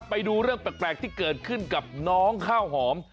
ไปดูเรื่องแปลกที่เกิดขึ้นกับน้องข้าวหอม